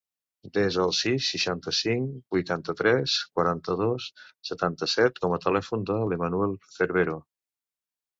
Desa el sis, seixanta-cinc, vuitanta-tres, quaranta-dos, setanta-set com a telèfon de l'Emanuel Cervero.